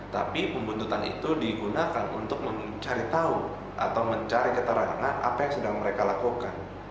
tapi pembuntutan itu digunakan untuk mencari tahu atau mencari keterangan apa yang sedang mereka lakukan